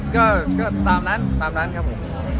ก็ตามนั้นครับผม